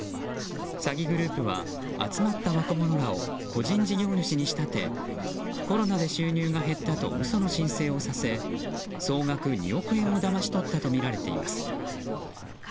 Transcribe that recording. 詐欺グループは集まった若者らを個人事業主に仕立てコロナで収入が減ったと嘘の申請をさせ総額２億円をだまし取ったとみられています。